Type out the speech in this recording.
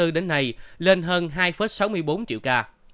đến nay lên hơn hai sáu mươi bốn triệu ca